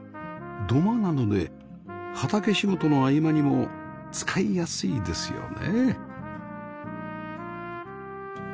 土間なので畑仕事の合間にも使いやすいですよね